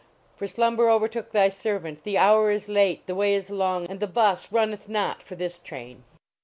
For .slumber overtook thy servant, the hour is late, the way is long, and the bus runneth not for this train!"